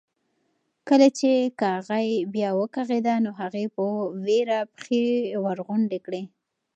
کله چې کاغۍ بیا وکغېده نو هغې په وېره پښې ورغونډې کړې.